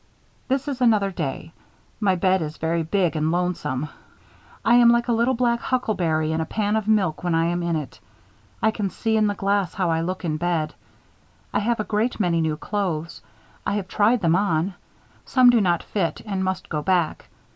This is another day. My bed is very big and lonesome. I am like a little black huckleberry in a pan of milk when I am in it. I can see in the glass how I look in bed. I have a great many new clothes. I have tried them on. Some do not fit and must go back.